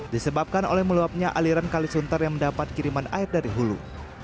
disebabkan oleh meluapnya aliran kalisuntar yang mendapat kiriman air dari hulu